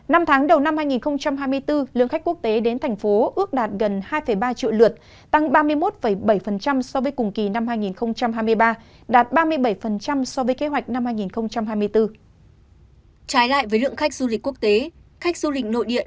năm tháng đầu năm hai nghìn hai mươi bốn lượng khách quốc tế đến tp hcm ước đạt gần hai ba triệu lượt